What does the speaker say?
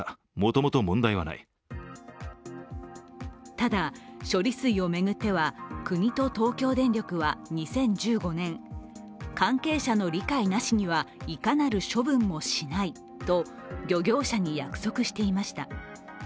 ただ、処理水を巡っては、国と東京電力は２０１５年、関係者の理解なしにはいかなる処分もしないと漁業者に約束していました。